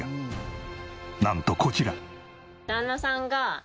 なんとこちら。